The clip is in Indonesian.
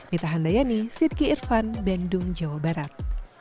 mitahan dayani sidky irvan bandung jawa barat